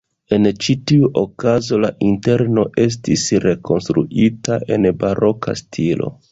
En ĉi tiu okazo la interno estis rekonstruita en baroka stilo.